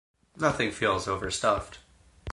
Nothing feels overstuffed.